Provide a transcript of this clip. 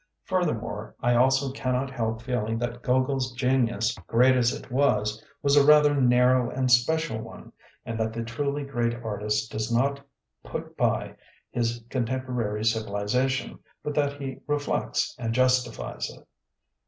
Furthermore, I also cannot help feeling that Gogol's genius, great as it was, was a rather narrow and special one; and that the truly great artist does not put by his contemporary civilization, but that he reflects and justifies it.